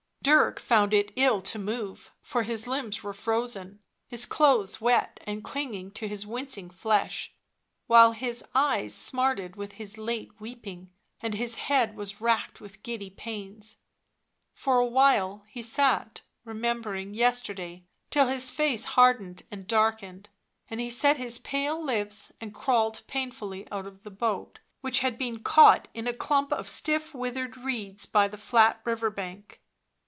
Dirk found it ill to move, for his limbs were frozen, his clothes wet and clinging to his wincing flesh, while his eyes smarted with his late weeping, and his head was racked with giddy pains. For a while he sat, remembering yesterday till his face hardened and darkened, and he set his pale lips and crawled painfully out of the boat, which had been caught in a clump of stiff withered reeds by the flat river bank.